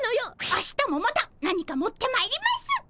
明日もまた何か持ってまいります。